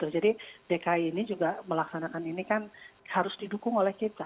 jadi dki ini juga melaksanakan ini kan harus didukung oleh kita